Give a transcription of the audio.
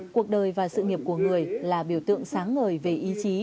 cuộc đời và sự nghiệp của người là biểu tượng sáng ngời về ý chí